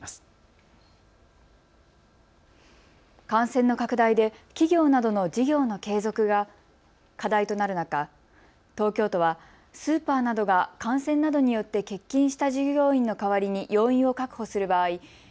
感染の拡大で企業などの事業の継続が課題となる中東京都はスーパーなどが感染などによって欠勤した従業員の代わりに要員を確保する場合